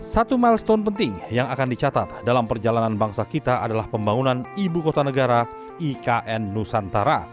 satu milestone penting yang akan dicatat dalam perjalanan bangsa kita adalah pembangunan ibu kota negara ikn nusantara